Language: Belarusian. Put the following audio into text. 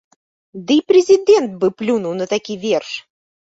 Дый прэзідэнт бы плюнуў на такі верш.